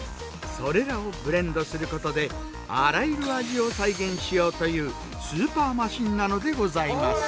それらをブレンドすることであらゆる味を再現しようというスーパーマシンなのでございます。